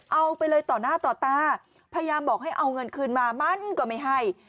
เอาไปเลยต่อหน้าต่อตาพยายามบอกให้เอาเงินคืนมามันก็ไม่ให้